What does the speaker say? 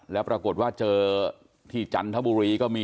แล้วปรากฏว่าเจอที่จันทบุรีก็มี